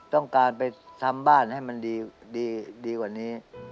ต้องการไปทำบ้านให้มันดีกว่านี้